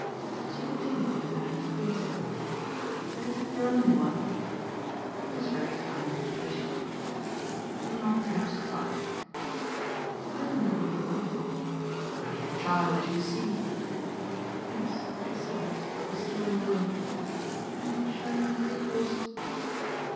She continued in a manner to cling to him. "But is it your only one?" He was very kind and patient. "Not perhaps quite." "I'M a little of one?" "My dear child, as you see." Yes, she saw, but was still on the wing. "And shall you have recourse